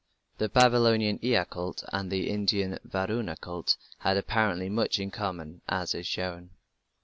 The Babylonian Ea cult and the Indian Varuna cult had apparently much in common, as is shown.